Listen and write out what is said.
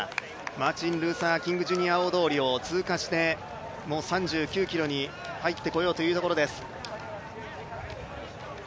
マーティン・ルーサー・キング・ジュニア大通りを通過して３９ｋｍに入ってこようというところです。